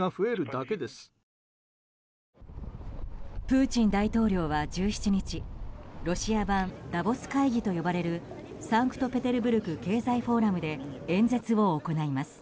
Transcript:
プーチン大統領は１７日ロシア版ダボス会議と呼ばれるサンクトペテルブルク経済フォーラムで演説を行います。